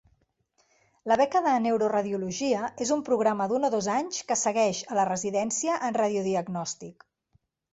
La beca de neuroradiologia és un programa d'un o dos anys que segueix a la residència en radiodiagnòstic.